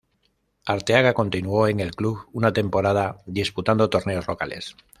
Arteaga continuó en el Club una temporada disputando torneos locales.